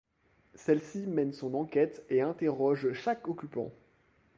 Celle-ci mène son enquête et interroge chaque occupant.